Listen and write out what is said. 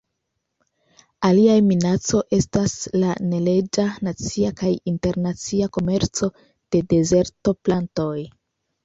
Alia minaco estas la neleĝa nacia kaj internacia komerco de dezerto-plantoj.